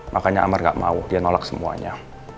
makanya amar gak mau dia nolak semuanya